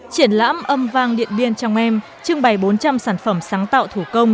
triển lãm âm vang điện biên trong em trưng bày bốn trăm linh sản phẩm sáng tạo thủ công